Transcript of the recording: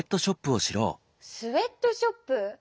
「スウェットショップ」？